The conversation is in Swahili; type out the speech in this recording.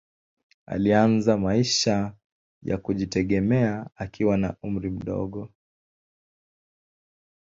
Alianza maisha ya kujitegemea akiwa na umri mdogo.